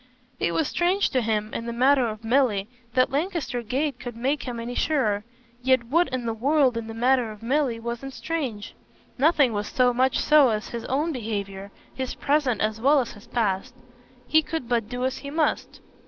It was strange to him, in the matter of Milly, that Lancaster Gate could make him any surer; yet what in the world, in the matter of Milly, wasn't strange? Nothing was so much so as his own behaviour his present as well as his past. He could but do as he must.